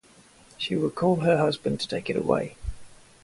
She would call her husband to take it away.